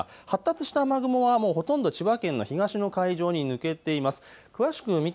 発達した雨雲は、ほとんど千葉県の東の海上に抜けています。